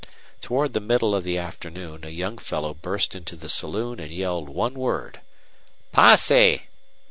Toward the middle of the afternoon a young fellow burst into the saloon and yelled one word: "Posse!"